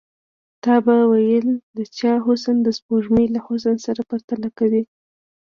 تا به ويل د چا حسن د سپوږمۍ له حسن سره پرتله کوي.